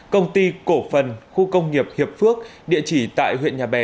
công ty cổ phần khu công nghiệp hiệp phước địa chỉ tại huyện nhà bè